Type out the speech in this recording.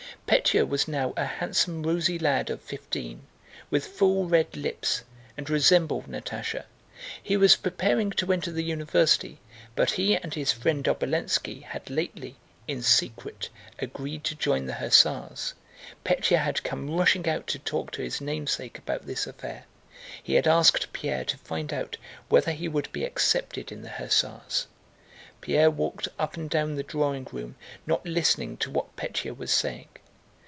Pétya was now a handsome rosy lad of fifteen with full red lips and resembled Natásha. He was preparing to enter the university, but he and his friend Obolénski had lately, in secret, agreed to join the hussars. Pétya had come rushing out to talk to his namesake about this affair. He had asked Pierre to find out whether he would be accepted in the hussars. Pierre walked up and down the drawing room, not listening to what Pétya was saying.